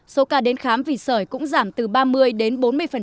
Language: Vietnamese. số ca đến khám vì sởi cũng giảm từ ba mươi đến bốn mươi